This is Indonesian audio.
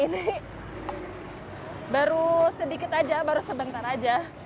ini baru sedikit aja baru sebentar aja